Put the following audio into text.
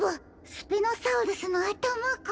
スピノサウルスのあたまか。